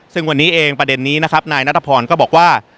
ซึ่งวันนี้เองประเด็นนี้นะครับนายนัทพรก็บอกว่า